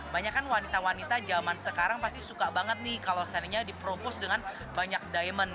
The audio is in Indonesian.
banyak kan wanita wanita jaman sekarang pasti suka banget nih kalau seandainya dipropos dengan banyak diamond